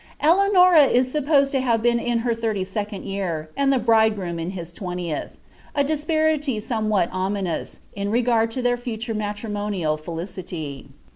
Eleanora is supposed to have been in to ihirty second year, and the bridegroom in his twentieth—* iimt^ somewhat ominous, in r^rd to their future matrimonial felicity.